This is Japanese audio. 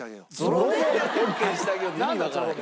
オッケーにしてあげようって意味わからへん。